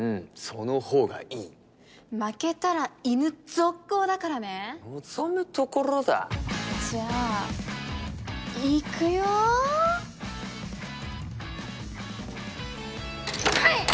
そのほうがいい負けたら犬続行だからね望むところだじゃあいくよはい！